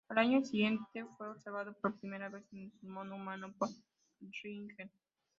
Al año siguiente fue observado por primera vez en un pulmón humano por Ringer.